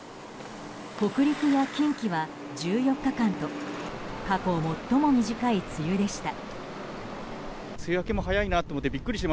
北陸や近畿は１４日間と過去最も短い梅雨でした。